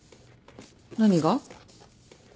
何が？